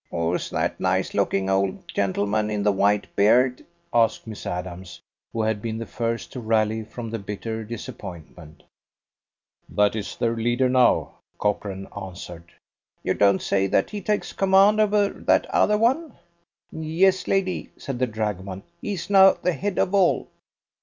"Who's that nice looking old gentleman in the white beard?" asked Miss Adams, who had been the first to rally from the bitter disappointment. "That is their leader now," Cochrane answered. "You don't say that he takes command over that other one?" "Yes, lady," said the dragoman; "he is now the head of all."